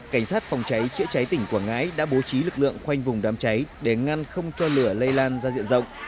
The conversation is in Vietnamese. cảnh sát phòng cháy chữa cháy tỉnh quảng ngãi đã bố trí lực lượng khoanh vùng đám cháy để ngăn không cho lửa lây lan ra diện rộng